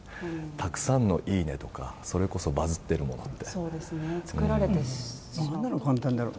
たくさんのいいねとか、それこそバズってるものって。